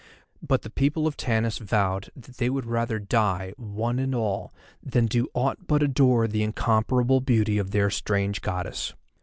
But the people of Tanis vowed that they would rather die, one and all, than do aught but adore the incomparable beauty of their strange Goddess.